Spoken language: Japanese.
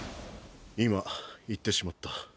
今行ってしまった。